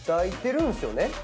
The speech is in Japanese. いるんですよね？